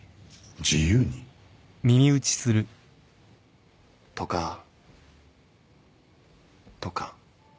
自由に？とか。とか。